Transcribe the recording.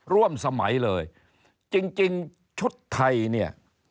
ร่วมสมัยเลยจริงชุดไทย